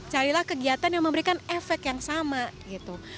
carilah kegiatan yang memberikan efek yang sama gitu